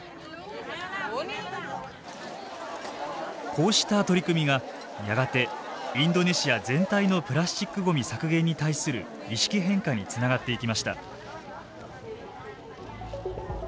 こうした取り組みがやがてインドネシア全体のプラスチックごみ削減に対する意識変化につながっていきました。